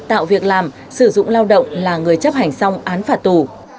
tạo việc làm sử dụng lao động là người chấp hành xong án phạt tù